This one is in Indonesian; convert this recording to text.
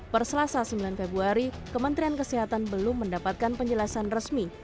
perselasa sembilan februari kementerian kesehatan belum mendapatkan penjelasan resmi